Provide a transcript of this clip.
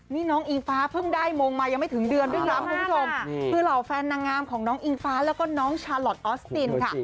นี่น้องอิงฟ้าเพิ่งได้มงมายังไม่ถึงเดือนด้วยซ้ำคุณผู้ชมคือเหล่าแฟนนางงามของน้องอิงฟ้าแล้วก็น้องชาลอทออสตินค่ะ